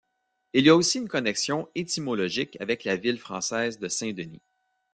Il y a aussi une connexion étymologique avec la ville française de Saint-Denis.